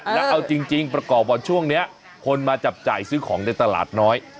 แล้วเอาจริงประกอบว่าช่วงนี้คนมาจับจ่ายซื้อของในตลาดน้อย